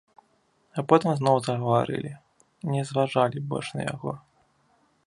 А потым зноў загаварылі, не зважалі больш на яго.